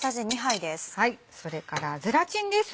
それからゼラチンです。